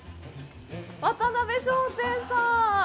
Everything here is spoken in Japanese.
渡辺商店さん。